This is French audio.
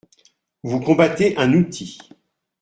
Vous combattez un outil.